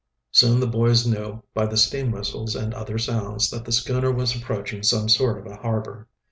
Soon the boys knew, by the steam whistles and other sounds, that the schooner was approaching some sort of harbor.